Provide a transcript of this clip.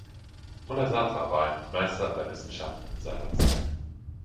Mulla Sadra war ein Meister aller Wissenschaften seiner Zeit.